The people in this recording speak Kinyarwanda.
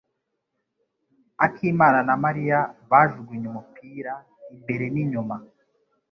akimana na Mariya bajugunye umupira imbere n'inyuma.